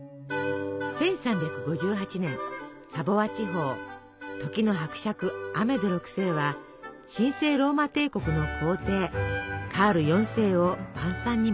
１３５８年サヴォワ地方時の伯爵アメデ６世は神聖ローマ帝国の皇帝カール４世を晩餐に招きます。